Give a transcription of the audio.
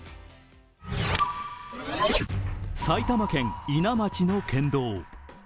埼玉県伊奈町の県道。